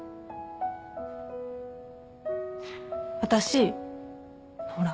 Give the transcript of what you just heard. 私ほら